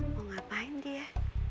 mau ngapain dia